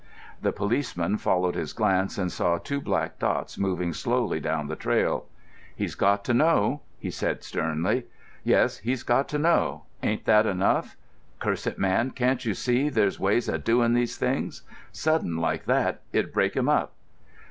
The policeman followed his glance and saw two black dots moving slowly down the trail. "He's got to know," he said sternly. "Yes, he's got to know—ain't that enough? Curse it, man, can't you see there's ways of doin' these things? Sudden like that—it'd break him up."